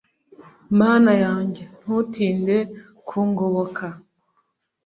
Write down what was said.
mana yanjye, ntutinde kungoboka